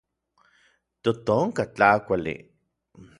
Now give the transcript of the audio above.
Totonka tlakuali.